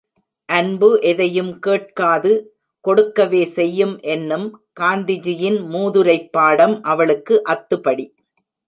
அன்பு எதையும் கேட்காது, கொடுக்கவே செய்யும் என்னும் காந்திஜியின் மூதுரைப் பாடம் அவளுக்கு அத்துபடி.